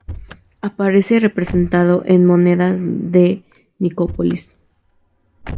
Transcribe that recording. Aparece representado en monedas de Nicópolis.